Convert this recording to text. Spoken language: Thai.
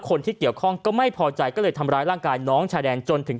คนที่เกี่ยวข้องก็ไม่พอใจก็เลยทำร้ายร่างกายน้องชายแดนจนถึง